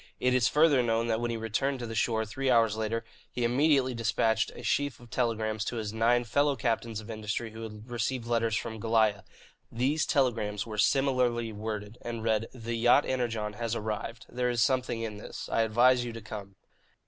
It is further known that when he returned to the shore, three hours later, he immediately despatched a sheaf of telegrams to his nine fellow captains of industry who had received letters from Goliah. These telegrams were similarly worded, and read: "The yacht Energon has arrived. There is something in this. I advise you to come."